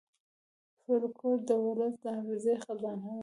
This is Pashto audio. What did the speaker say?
فلکور د ولس د حافظې خزانه ده.